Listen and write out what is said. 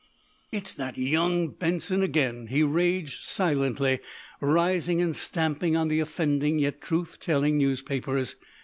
"It's that young Benson again!" he raged, silently, rising and stamping on the offending, yet truth telling, newspapers.